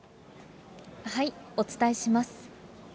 お伝えします。